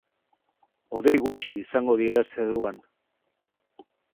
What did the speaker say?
Hodei gutxi izango dira zeruan.